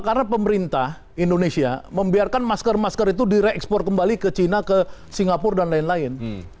karena pemerintah indonesia membiarkan masker masker itu direkspor kembali ke china ke singapura dan lain lain